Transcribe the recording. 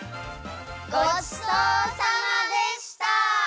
ごちそうさまでした！